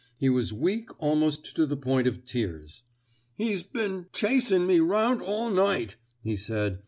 He was weak almost to the point of tears. *' He's been — chasin' me 'round all night," he said.